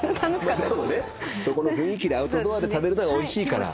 そこの雰囲気でアウトドアで食べるのがおいしいから。